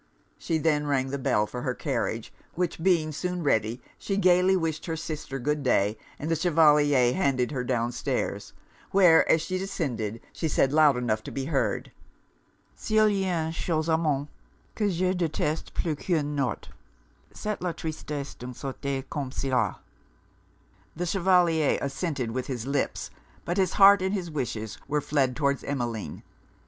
She then rang the bell for her carriage; which being soon ready, she gaily wished her sister good day, and the Chevalier handed her down stairs; where, as she descended, she said, loud enough to be heard, 'S'il y'a une chose au monde que je deteste plus qu'un notre, c'est la tristesse d'une societé comme cela.' The Chevalier assented with his lips; but his heart and his wishes were fled towards Emmeline.